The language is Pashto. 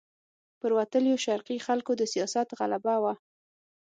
پر وتلیو شرقي خلکو د سیاست غلبه وه.